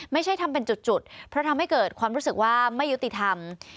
ไม่ใช่ทำเป็นจุดเพราะทำให้เกิดความรู้สึกว่าไม่ยุติธรรม